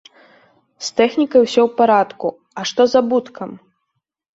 З тэхнікай усё ў парадку, а што з абуткам?